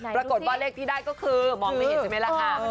ปรากฏว่าเลขที่ได้ก็คือมองไม่เห็นใช่ไหมล่ะค่ะ